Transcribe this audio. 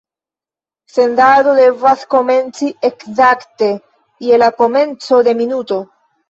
Sendado devas komenci ekzakte je la komenco de minuto.